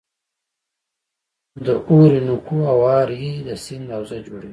د اورینوکو هوارې د سیند حوزه جوړوي.